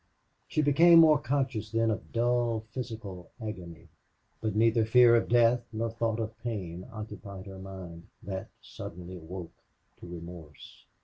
She became more conscious then of dull physical agony. But neither fear of death nor thought of pain occupied her mind. That suddenly awoke to remorse.